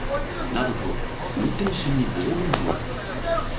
などと、運転手に暴言を。